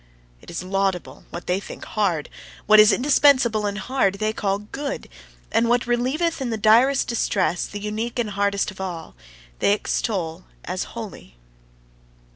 It is laudable, what they think hard; what is indispensable and hard they call good; and what relieveth in the direst distress, the unique and hardest of all, they extol as holy.